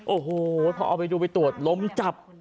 โอ้โหพอเอาไปดูไปตรวจล้มจับ